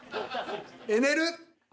エネル。